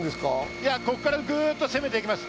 ここからぐっと攻めていきます。